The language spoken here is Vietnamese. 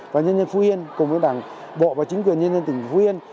và nhân dân phú yên cùng với đảng bộ và chính quyền nhân dân tỉnh phú yên